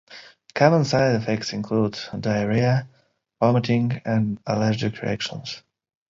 Common side effects include diarrhea, vomiting, and allergic reactions.